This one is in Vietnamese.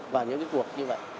và những cái cuộc như vậy